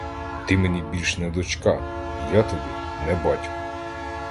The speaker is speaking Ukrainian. Ти мені більш не дочка, я тобі не батько!